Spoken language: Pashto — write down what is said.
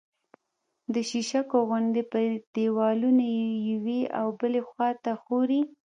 د شیشکو غوندې په دېوالونو یوې او بلې خوا ته ښوري